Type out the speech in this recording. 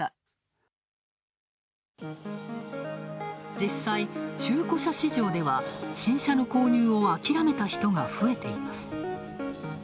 実際、中古車市場では、新車の購入をあきらめた人が増えています。